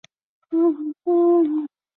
本名融成。